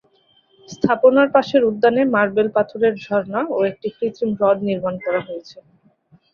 স্থাপনার পাশের উদ্যানে মার্বেল পাথরের ঝরনা ও একটি কৃত্রিম হ্রদ নির্মাণ করা হয়েছে।